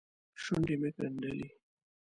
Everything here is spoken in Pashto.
شونډې مې ګنډلې.